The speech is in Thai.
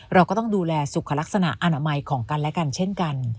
เราก็ต้องดูแลสุขลักษณะอนามัยของกันและกันเช่นกัน